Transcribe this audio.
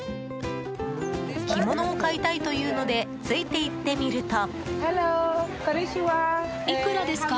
着物を買いたいというのでついて行ってみると。